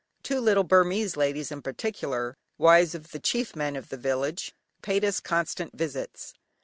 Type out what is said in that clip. Two little Burmese ladies in particular, wives of the chief men of the village, paid us constant visits.